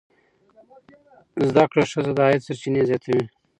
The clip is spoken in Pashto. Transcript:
زده کړه ښځه د عاید سرچینې زیاتوي.